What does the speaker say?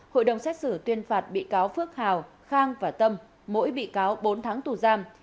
hội đồng xét xử tuyên phạt bị cáo phước hào khang và tâm mỗi bị cáo bốn tháng tù giam